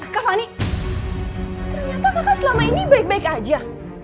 kak fani ternyata kakak selama ini baik baik aja